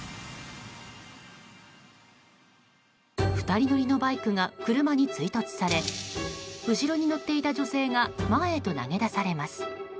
２人乗りのバイクが車に追突され後ろに乗っていた女性が前へと投げ出されます。